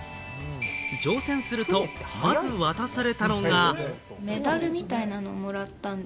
乗船すると、まず渡されたのが。